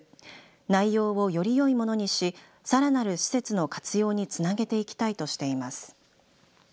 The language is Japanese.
内容をよりよいものにしさらなる施設の活用につなげていきたいとしています。